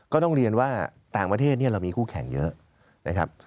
ก็ต้องเรียนว่าต่างประเทศเรามีคู่แข่งเยอะนะครับ